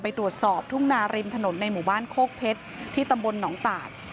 ตรวจสอบทุ่งนาริมถนนในหมู่บ้านโคกเพชรที่ตำบลหนองตาด